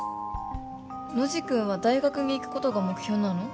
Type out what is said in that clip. ノジ君は大学に行くことが目標なの？